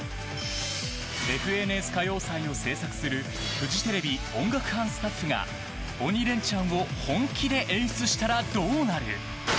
「ＦＮＳ歌謡祭」を制作するフジテレビ音楽班スタッフが「鬼レンチャン」を本気で演出したらどうなる？